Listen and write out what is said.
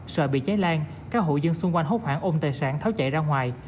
sợ bị cháy lan các hộ dân xung quanh hốt hoảng ôm tài sản tháo chạy ra ngoài